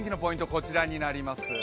こちらになります。